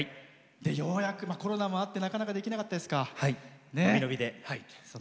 ようやくコロナもあってなかなかできなかったですか。